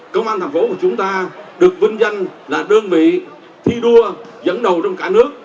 công an thành phố của chúng ta được vinh danh là đơn vị thi đua dẫn đầu trong cả nước